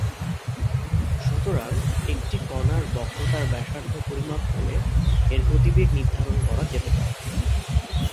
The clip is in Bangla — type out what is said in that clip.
সুতরাং, একটি কণার বক্রতার ব্যাসার্ধ পরিমাপ করে, এর গতিবেগ নির্ধারণ করা যেতে পারে।